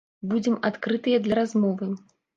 Будзем адкрытыя для размовы.